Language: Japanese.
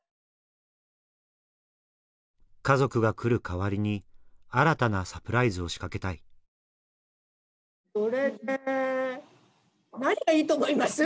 家族が来る代わりに新たなサプライズを仕掛けたいそれで何がいいと思います？